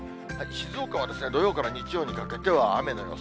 静岡はですね、土曜から日曜にかけては雨の予想。